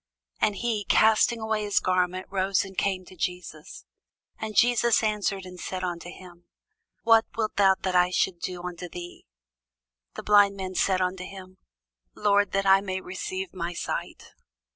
And he, casting away his garment, rose, and came to Jesus. And Jesus answered and said unto him, What wilt thou that I should do unto thee? The blind man said unto him, Lord, that I might receive my sight.